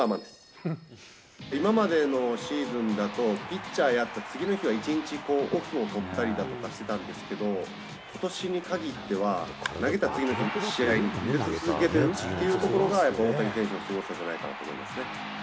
今までのシーズンだと、ピッチャーやった次の日は１日オフを取ったりだとかしてたんですけど、ことしにかぎっては、投げた次の日も試合に出続けてるっていうところが、大谷選手のすごさじゃないかなと思いますね。